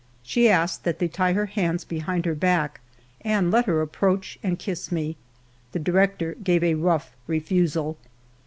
She asked that they tie her hands behind her back and let her approach and kiss me. The director gave a rough refusal.